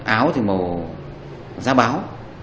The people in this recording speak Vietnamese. áo màu giáp áo